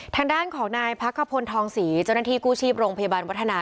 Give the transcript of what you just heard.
ทางด้านของนายพักขพลทองศรีเจ้าหน้าที่กู้ชีพโรงพยาบาลวัฒนา